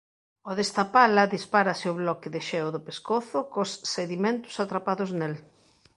Ao destapala dispárase o bloque de xeo do pescozo cos sedimentos atrapados nel.